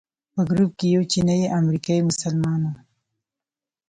په ګروپ کې یو چینایي امریکایي مسلمان هم و.